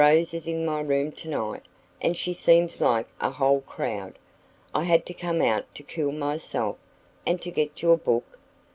Rose is in my room tonight, and she seems like a whole crowd. I had to come out to cool myself." "And to get your book.